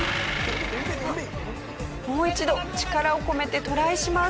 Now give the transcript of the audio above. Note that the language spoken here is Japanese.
もう一度力を込めてトライします。